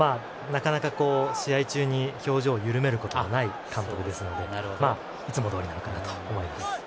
なかなか試合中に表情を緩めることがない監督ですのでいつもどおりなのかなと思います。